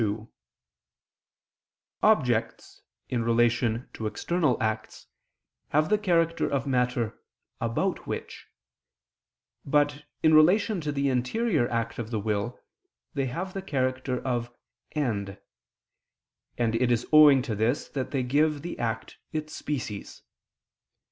2: Objects, in relation to external acts, have the character of matter "about which"; but, in relation to the interior act of the will, they have the character of end; and it is owing to this that they give the act its species.